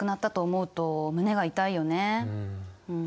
うん。